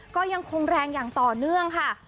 ก็ยังคงแรงอย่างต่อเนื่องค่ะ